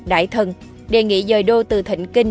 đại thần đề nghị dời đô từ thịnh kinh